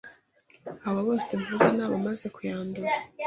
Abo bose mvuga nabamaze kuyandura